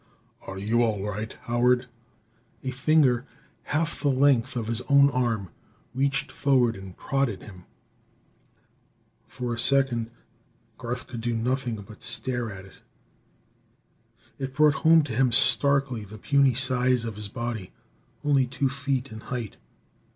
"Are you all right, Howard?" A finger half the length of his own arm reached forward and prodded him. For a second Garth could do nothing but stare at it. It brought home to him starkly the puny size of his body, only two feet in height.